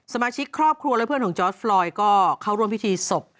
สมาชิกครอบครัวและเพื่อนของจอร์สฟลอยก็เข้าร่วมพิธีศพ